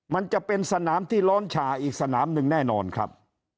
มันจะเป็นสนามที่ร้อนฉ่าอีกสนามหนึ่งแน่นอนครับ